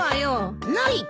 ないって？